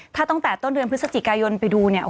ถ้าตั้งแต่ต้นเดือนพฤศจิกายนไปดูเนี่ย